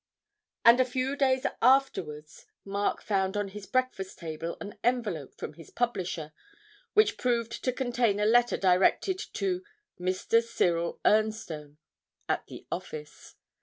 And a few days afterwards Mark found on his breakfast table an envelope from his publisher, which proved to contain a letter directed to 'Mr. Ciril Ernstone,' at the office.